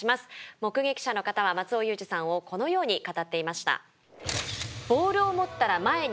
目撃者の方は松尾雄治さんをこのように語っていました。